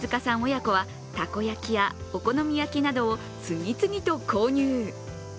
親子は、たこ焼きやお好み焼きなどを次々と購入。